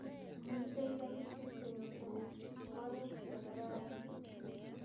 Miten karishek che miten oret che kararan